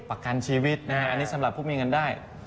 ประกันชีวิตนะฮะอันนี้สำหรับผู้มีเงินได้